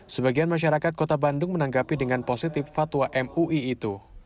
sebagian masyarakat kota bandung menanggapi dengan positif fatwa mui itu